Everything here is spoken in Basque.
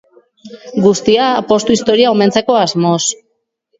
Guztia apostu historia omentzeko asmoz.